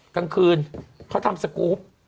กลางคืนเขาทำสกรูป